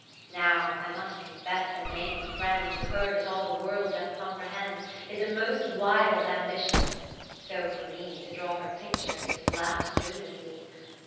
Now as I must confess the name of friend To her that all the World doth comprehend. Is a most wild ambition ; so for me To draw her picture is flat lunacy.